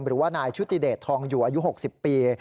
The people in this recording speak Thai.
หรือว่านายชุติเดชทองอยู่อายุ๖๐ปี